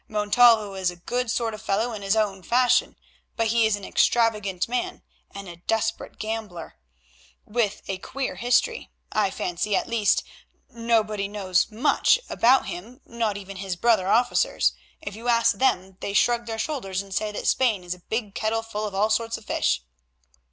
Montalvo is a good sort of fellow in his own fashion, but he is an extravagant man and a desperate gambler, with a queer history, I fancy—at least, nobody knows much about him, not even his brother officers. If you ask them they shrug their shoulders and say that Spain is a big kettle full of all sorts of fish.